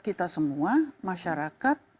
kita semua masyarakat